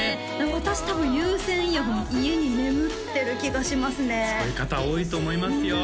私多分有線イヤホン家に眠ってる気がしますねそういう方多いと思いますよ